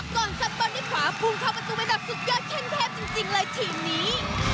ก่อนจับบอลด้วยขวาภูมิเข้ากับสุดยอดแข่งเทพจริงเลยทีมนี้